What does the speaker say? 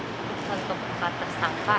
untuk berkat tersangka